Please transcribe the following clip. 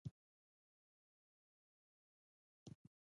چوکۍ له مېز سره جوړه ده.